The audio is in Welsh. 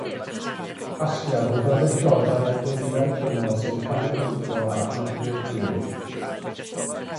Casgliad o fyfyrdodau a gweddïau cryno sy'n canolbwyntio ar natur Duw.